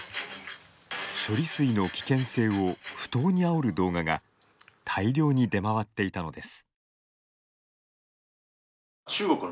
処理水の危険性を不当にあおる動画が大量に出回っていたのです。